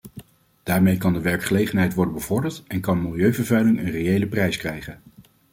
Daarmee kan de werkgelegenheid worden bevorderd en kan milieuvervuiling een reële prijs krijgen.